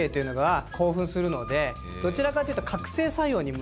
どちらかというと。